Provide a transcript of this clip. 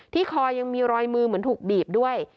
คอยังมีรอยมือเหมือนถูกบีบด้วย